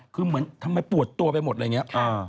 คือเหมือนทำไมปวดตัวไปหมดอะไรอย่างนี้